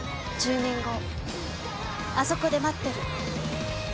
１０年後あそこで待ってる。